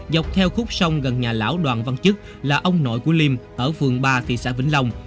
dọc theo khúc sông gần nhà lão đoàn văn chức là ông nội của liêm ở phường ba thị xã vĩnh long